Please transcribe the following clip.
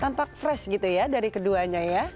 tampak fresh gitu ya dari keduanya ya